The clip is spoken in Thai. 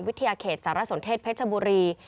วิทยาเขตสารสนเทศเพชรชะบุรี